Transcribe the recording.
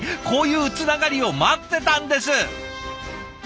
こういうつながりを待ってたんです！